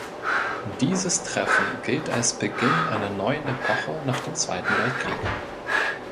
Dieses Treffen gilt als Beginn einer neuen Epoche nach dem Zweiten Weltkrieg.